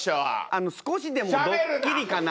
あの少しでもドッキリかな？